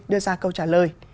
đưa ra câu trả lời